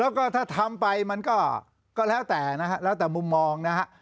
แล้วก็ถ้าทำไปมันก็แล้วแต่นะฮะแล้วแต่มุมมองนะฮะ